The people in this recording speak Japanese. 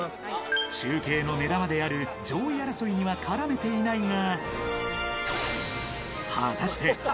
中継の目玉である上位争いには絡めていないが。